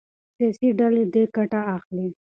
سياسي ډلې له دې ګټه اخلي.